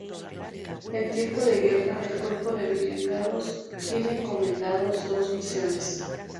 En tiempo de guerra, el Cuerpo de Blindados tiene encomendadas dos misiones.